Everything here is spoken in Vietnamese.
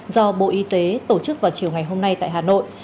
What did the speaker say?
do bộ y tế tổ chức vào chiều ngày hôm nay tại hà nội